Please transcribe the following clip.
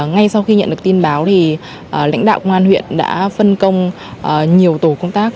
ngay sau khi nhận được tin báo thì lãnh đạo công an huyện đã phân công nhiều tổ công tác